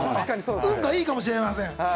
運がいいかもしれません。